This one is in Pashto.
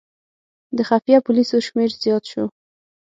د خفیه پولیسو شمېر زیات شو.